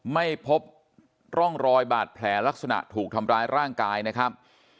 ไม่พบร่องรอยบาดแผลลักษณะถูกทำร้ายร่างกายนะครับ